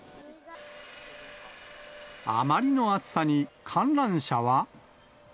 あまりの暑さに、観覧車は。